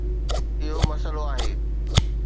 اهو مسئلو آهي.